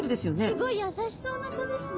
すごい優しそうな子ですね。